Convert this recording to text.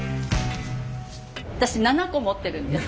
私７個持ってるんです。